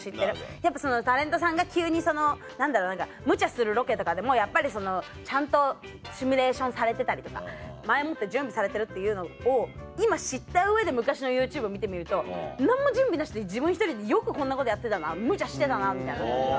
やっぱタレントさんが急にむちゃするロケとかでもやっぱりちゃんとシミュレーションされてたりとか前もって準備されてるっていうのを今知った上で昔のＹｏｕＴｕｂｅを見てみると何も準備なしで自分１人でよくこんなことやってたなむちゃしてたなみたいな。